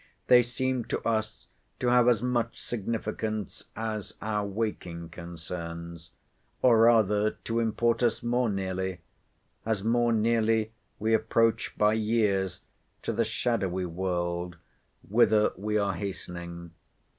They seem to us to have as much significance as our waking concerns; or rather to import us more nearly, as more nearly we approach by years to the shadowy world, whither we are hastening.